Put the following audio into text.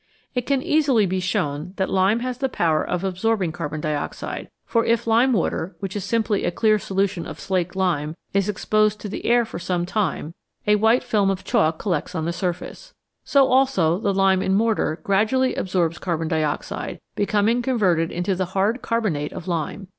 It can easily be shown that lime has the power of absorbing carbon dioxide, for if lime water, which is simply a clear solution of slaked lime, is exposed to the air for some time, a white film of chalk collects on 93 ACIDS AND ALKALIS the surface. So also the lime in mortar gradually absorbs carbon dioxide, becoming converted into the hard carbonate of lime.